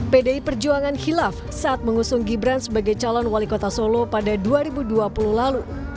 pdi perjuangan hilaf saat mengusung gibran sebagai calon wali kota solo pada dua ribu dua puluh lalu